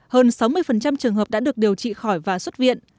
hơn sáu mươi trường hợp đã được điều trị khỏi và xuất viện